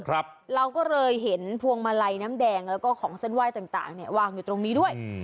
เราก็เลยเห็นพวงมาลัยน้ำแดงแล้วก็ของเส้นไหว้ต่างต่างเนี่ยวางอยู่ตรงนี้ด้วยอืม